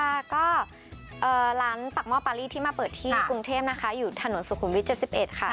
ค่ะก็ร้านปากหม้อปารีที่มาเปิดที่กรุงเทพนะคะอยู่ถนนสุขุมวิทย๗๑ค่ะ